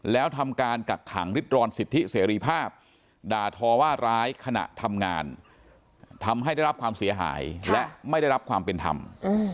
แล้วทำการกักขังริดรอนสิทธิเสรีภาพด่าทอว่าร้ายขณะทำงานทำให้ได้รับความเสียหายและไม่ได้รับความเป็นธรรม